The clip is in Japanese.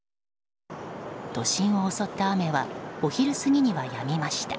都心を襲った雨はお昼過ぎにはやみました。